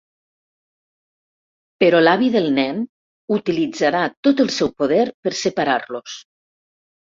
Però l'avi del nen utilitzarà tot el seu poder per separar-los.